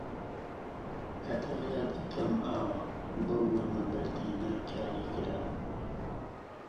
هەتا یاد ئەکەم ئاوە بەو ورمە بەردینە کاری کراوە